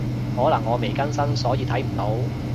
可能我未更新，所以睇唔到